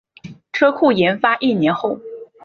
车库研发一年后